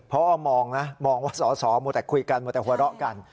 เพราะมองว่าสอมองแต่คุยกันมองแต่หัวเราะกัน